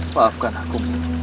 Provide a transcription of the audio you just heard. pak maafkan aku